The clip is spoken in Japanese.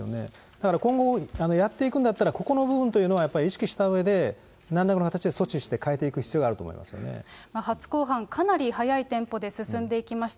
だから今後、やっていくんだったら、ここの部分というのは意識したうえで、なんらかの形で措置して変えていく必要があると思いま初公判、かなり速いテンポで進んでいきました。